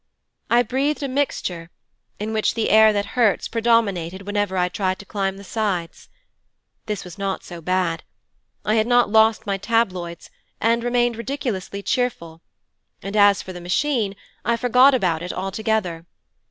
I breathed a mixture, in which the air that hurts predominated whenever I tried to climb the sides. This was not so bad. I had not lost my tabloids and remained ridiculously cheerful, and as for the Machine, I forgot about it altogether.